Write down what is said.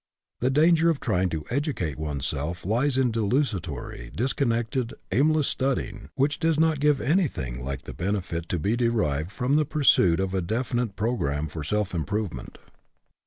The danger of trying to educate oneself lies in desultory, disconnected, aimless studying which does not give anything like the benefit to be derived from the pursuit of a definite pro 36 EDUCATION BY ABSORPTION gramme for self improvement.